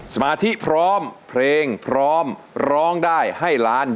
สมาธิพร้อมเพลงพร้อมร้องได้ให้ล้าน